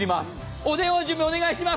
お電話、準備お願いします。